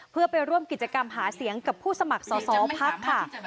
เพื่อไปร่วมกิจกรรมหาเสียงกับผู้สมัครสอสอพักค่ะ